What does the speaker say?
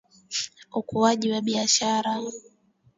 Ukuaji wa biashara.